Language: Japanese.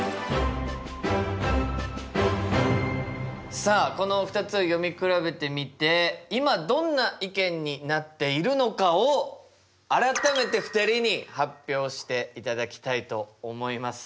さあこの２つを読み比べてみて今どんな意見になっているのかを改めて２人に発表していただきたいと思います。